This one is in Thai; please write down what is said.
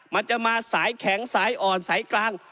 มันจะมาสายแข็งสายอ่อนสายกลาง